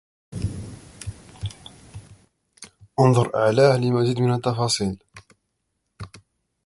انظر أعلاه لمزيد من التفاصيل